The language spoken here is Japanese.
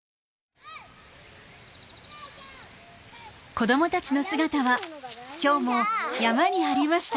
子どもたちの姿は今日も山にありました。